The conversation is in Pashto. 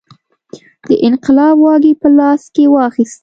د انقلاب واګې په لاس کې واخیستې.